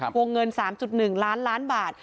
วงเงิน๓๑ล้านล้านบาท